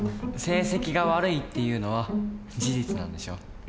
「成績が悪い」っていうのは事実なんでしょ？